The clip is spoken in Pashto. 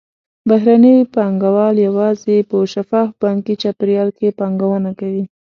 بهرني پانګهوال یوازې په شفاف بانکي چاپېریال کې پانګونه کوي.